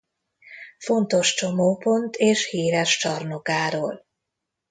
Fontos csomópont és híres csarnokáról.